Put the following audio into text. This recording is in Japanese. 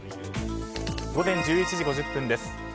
午前１１時５０分です。